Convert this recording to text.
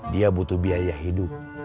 dia butuh biaya hidup